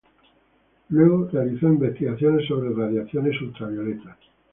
Luego realizó investigaciones sobre radiaciones ultravioletas.